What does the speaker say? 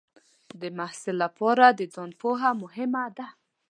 د محصل لپاره د ځان پوهه مهمه ده.